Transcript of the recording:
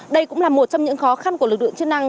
đây cũng là một trong những khó khăn của lực lượng chức năng